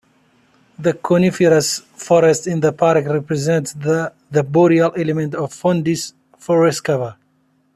The coniferous forest in the park represents the boreal element of Fundy's forest cover.